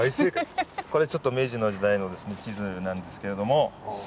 これちょっと明治の時代の地図なんですけれども。